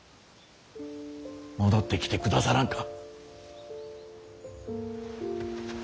戻ってきてくださらんか。